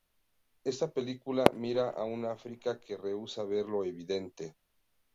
Esta película mira a un África que rehúsa ver lo evidente.